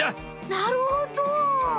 なるほど。